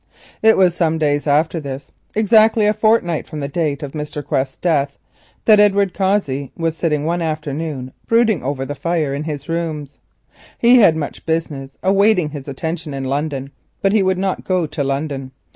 It was some days after this, exactly a fortnight from the date of Mr. Quest's death, that Edward Cossey was sitting one afternoon brooding over the fire in his rooms. He had much business awaiting his attention in London, but he would not go to London.